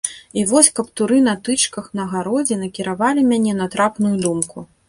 І вось каптуры на тычках на гародзе накіравалі мяне на трапную думку.